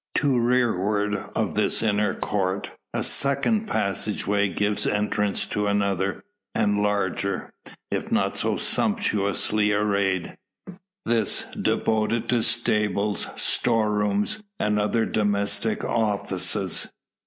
To rearward of this inner court, a second passage way gives entrance to another, and larger, if not so sumptuously arrayed; this devoted to stables, store rooms, and other domestic offices.